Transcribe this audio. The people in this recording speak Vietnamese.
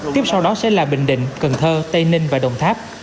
tiếp sau đó sẽ là bình định cần thơ tây ninh và đồng tháp